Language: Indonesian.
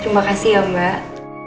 terima kasih ya mbak